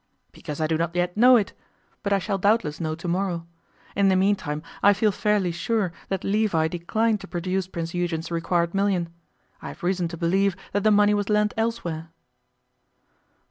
'Because I do not yet know it. But I shall doubtless know to morrow. In the meantime, I feel fairly sure that Levi declined to produce Prince Eugen's required million. I have reason to believe that the money was lent elsewhere.